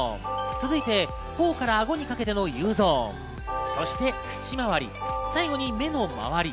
続いて頬からあごにかけてのＵゾーン、そして、口周り、最後に目の周り。